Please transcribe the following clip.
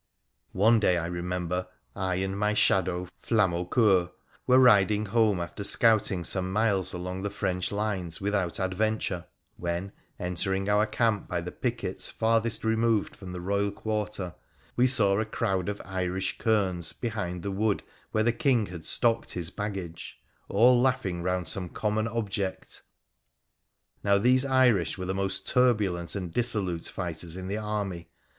One day, I remember, I and my shadow Flamaucceur were riding home after scouting some miles along the French lines without adventure, when, entering our camp by the pickets farthest removed from the Boyal quarter, we saw a crowd of Irish kerns behind the wood where the King had stocked his baggage, all laughing round some common object. Now, these Irish were the most turbulent and dissolute fighters in the army.